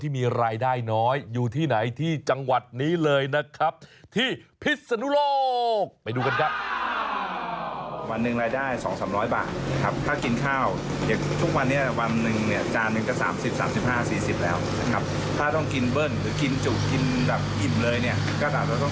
มันก็อาจจะทำให้ค่าแรงเราก็เหลือน้อยลง